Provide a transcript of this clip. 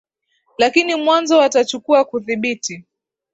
lakini mwanzo watachukua kuthibiti